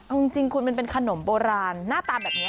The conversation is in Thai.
เอาจริงคุณมันเป็นขนมโบราณหน้าตาแบบนี้